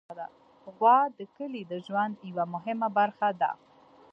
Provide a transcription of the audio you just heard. غوا د کلي د ژوند یوه مهمه برخه ده.